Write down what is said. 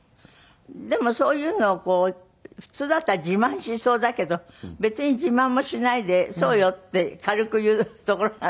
でもそういうの普通だったら自慢しそうだけど別に自慢もしないで「そうよ」って軽く言うところが。